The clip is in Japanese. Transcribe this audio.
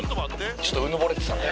ちょっとうぬぼれてたね